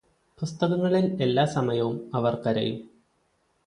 പുസ്തകങ്ങളില് എല്ലാ സമയവും അവര് കരയും